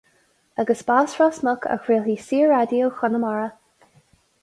Agus b'as Ros Muc a chraolfaí Saor-Raidió Chonamara.